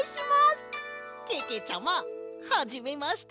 けけちゃまはじめまして！